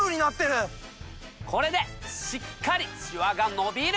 これでしっかりシワがのびる！